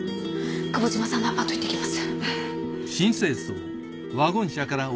久保島さんのアパート行ってきます。